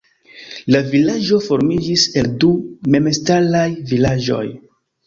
La vilaĝo formiĝis el du memstaraj vilaĝoj.